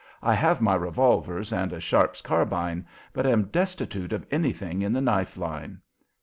I have my revolvers and a Sharp's carbine, but am destitute of anything in the knife line."